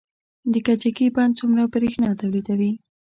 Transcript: د کجکي بند څومره بریښنا تولیدوي؟